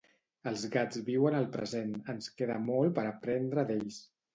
Els gats viuen el present, ens queda molt per aprendre d'ells